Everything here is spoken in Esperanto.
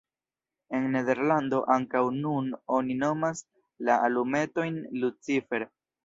En Nederlando ankaŭ nun oni nomas la alumetojn lucifer.